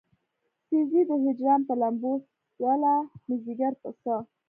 سيزې د هجران پۀ لمبو څله مې ځيګر پۀ څۀ